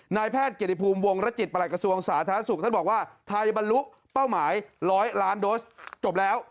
นายแพทย์เกียรติภูมิวงรจิตประหลักกระทรวงสาธารณสุขท่านบอกว่าไทยบรรลุเป้าหมาย๑๐๐ล้านโดสจบแล้ว